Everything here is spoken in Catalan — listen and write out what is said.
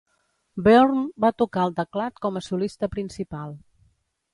Byrne va tocar el teclat com a solista principal.